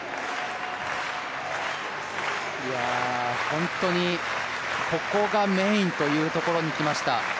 本当にここがメインというところにきました。